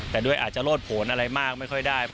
แต่ด้วยอาจจะโลดผลอะไรมากไม่ค่อยได้